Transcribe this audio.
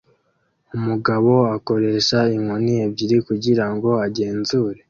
Umugabo akoresha inkoni ebyiri kugirango agenzure